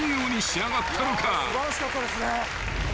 素晴らしかったですね。